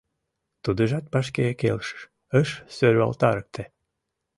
Тудыжат вашке келшыш, ыш сӧрвалтарыкте.